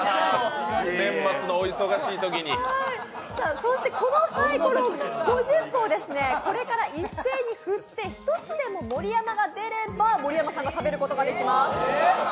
そして、このサイコロ５０個をこれから一斉に振って、１つでも「盛山」が出れば盛山さんが食べることができます。